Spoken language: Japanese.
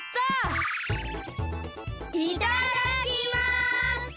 いただきます！